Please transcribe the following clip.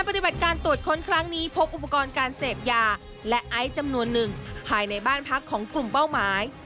ปฏิบัติการตรวจค้นครั้งนี้พบอุปกรณ์การเสพยาและไอซ์จำนวนหนึ่งภายในบ้านพักของกลุ่มเป้าหมาย